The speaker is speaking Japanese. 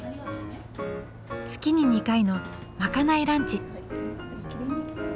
月に２回のまかないランチ。